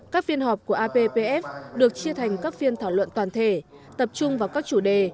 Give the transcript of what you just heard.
các phiên họp của appf được chia thành các phiên thảo luận toàn thể tập trung vào các chủ đề